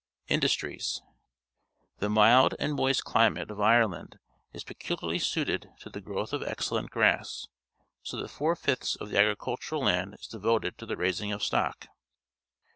Industries. — The mild and moist climate of Ireland is peculiarly suited to the growth of excellent grass, so that four fifths of the agi'icultural land is devoted to the raising of stock.